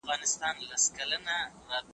په موټر کې د سیټ بیلټ وکاروئ.